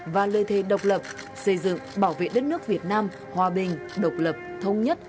và lời thề độc lập xây dựng bảo vệ đất nước việt nam hòa bình độc lập thống nhất